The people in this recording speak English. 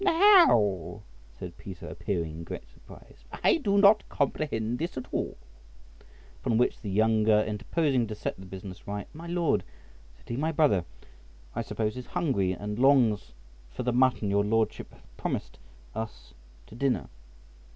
"How," said Peter, appearing in great surprise, "I do not comprehend this at all;" upon which the younger, interposing to set the business right, "My Lord," said he, "my brother, I suppose, is hungry, and longs for the mutton your Lordship hath promised us to dinner."